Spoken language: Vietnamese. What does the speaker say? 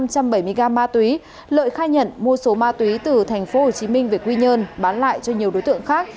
lợi khai nhận mua số ma túy từ tp hcm về quy nhơn bán lại cho nhiều đối tượng khác